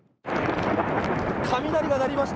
雷が鳴りました。